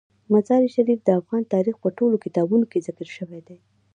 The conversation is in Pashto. مزارشریف د افغان تاریخ په ټولو کتابونو کې ذکر شوی دی.